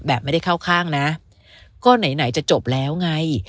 ไม่ได้เข้าข้างนะก็ไหนจะจบแล้วไง